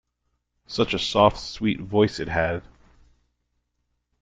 Such a soft sweet voice it had!